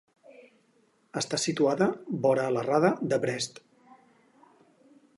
Està situada vora la rada de Brest.